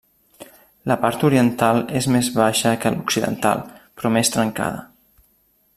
La part oriental és més baixa que l'occidental, però més trencada.